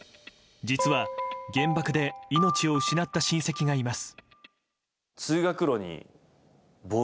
実は、原爆で命を失った親戚がいます。